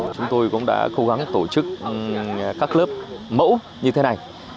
chúng tôi cũng đã cố gắng tổ chức các lớp mẫu như thế này